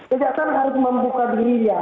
kejaksaan harus membuka dirinya